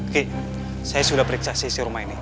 ki saya sudah periksa sisi rumah ini